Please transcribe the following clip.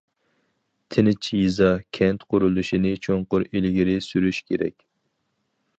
تىنچ يېزا- كەنت قۇرۇلۇشىنى چوڭقۇر ئىلگىرى سۈرۈش كېرەك.